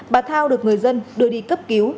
bà thao được người dân đưa đi cấp cứu